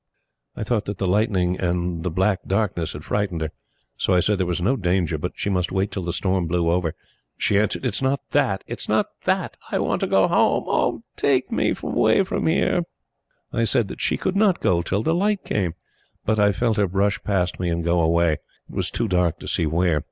I thought that the lightning and the black darkness had frightened her; so I said there was no danger, but she must wait till the storm blew over. She answered: "It is not THAT! It is not THAT! I want to go home! O take me away from here!" I said that she could not go till the light came; but I felt her brush past me and go away. It was too dark to see where.